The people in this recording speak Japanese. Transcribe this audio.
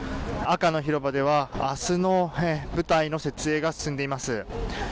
赤の広場では明日の舞台の設営が進んでいます。